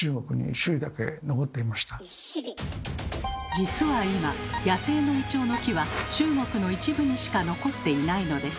実は今野生のイチョウの木は中国の一部にしか残っていないのです。